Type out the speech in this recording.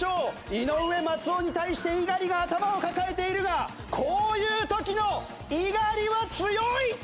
井上松尾に対して猪狩が頭を抱えているがこういう時の猪狩は強い！